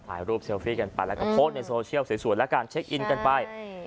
ถ่ายรูปเซลฟี่กันไปแล้วก็โพสต์ในโซเชียลสวยแล้วกันเช็คอินกันไป